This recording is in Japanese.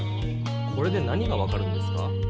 これで何が分かるんですか？